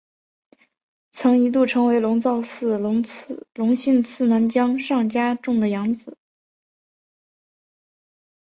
曾一度成为龙造寺隆信次男江上家种的养子。